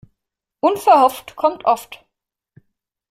Unverhofft kommt oft.